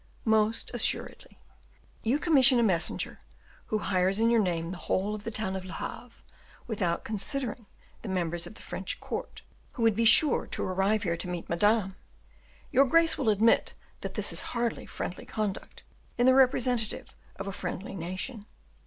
_" "Most assuredly. You commission a messenger, who hires in your name the whole of the town of Le Havre, without considering the members of the French court, who would be sure to arrive here to meet Madame. Your Grace will admit that this is hardly friendly conduct in the representative of a friendly nation."